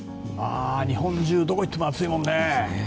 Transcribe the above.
日本中どこに行っても暑いもんね。